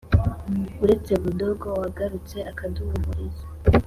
usibye mudogo wagarutse akaduhumuriza